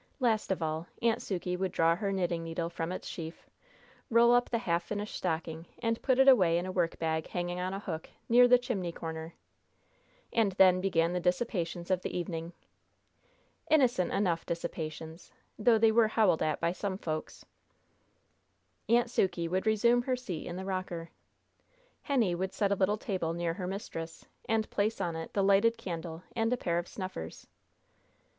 Last of all, Aunt Sukey would draw her knitting needle from its sheaf, roll up the half finished stocking, and put it away in a workbag hanging on a hook, near the chimney corner. And then began the dissipations of the evening. Innocent enough dissipations, though they were howled at by some folks. Aunt Sukey would resume her seat in the rocker. Henny would set a little table near her mistress, and place on it the lighted candle and a pair of snuffers.